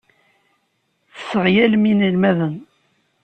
Tesseɣyalem inelmaden.